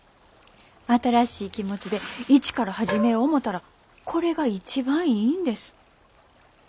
新しい気持ちで一から始めよ思たらこれが一番いいんです。